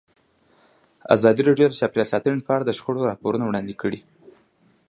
ازادي راډیو د چاپیریال ساتنه په اړه د شخړو راپورونه وړاندې کړي.